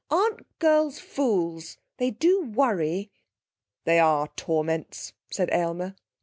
Aren't girls fools? They do worry!' 'They are torments,' said Aylmer.